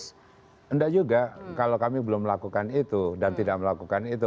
tidak juga kalau kami belum melakukan itu dan tidak melakukan itu